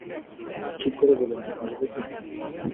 ঠিক করে বলুন, আসব কি?